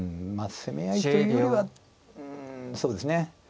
攻め合いというよりはうんそうですね